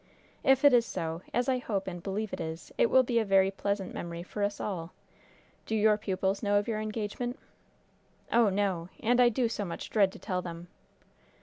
"If it is so, as I hope and believe it is, it will be a very pleasant memory for us all. Do your pupils know of your engagement?" "Oh, no! And I do so much dread to tell them!"